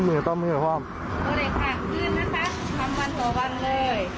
เห็นมือต้องมือหรอครับโอเคค่ะขึ้นนะคะหลังวันหรอวันเลย